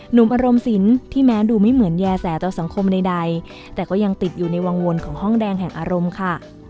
หนุ่มอารมณ์สินที่แม้ดูไม่เหมือนแย่แสต่อสังคมใดแต่ก็ยังติดอยู่ในวังวนของห้องแดงแห่งอารมณ์ค่ะ